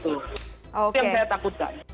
itu yang saya takutkan